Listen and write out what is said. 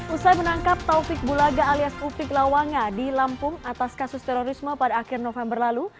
usai menangkap taufik bulaga alias upik lawanga di lampung atas kasus terorisme pada akhir november lalu